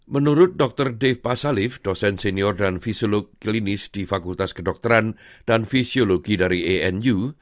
menurut dr dev pasarif dosen senior dan fisiolog klinis di fakultas kedokteran dan fisiologi dari anu